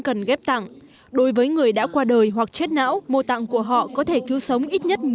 cần ghép tặng đối với người đã qua đời hoặc chết não mô tạng của họ có thể cứu sống ít nhất